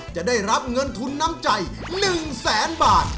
จะได้รับเงินทุนน้ำใจ๑แสนบาท